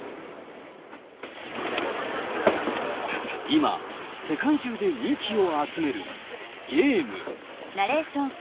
今世界中で人気を集めるゲーム。